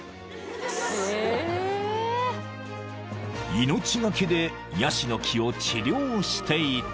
［命懸けでヤシの木を治療していた］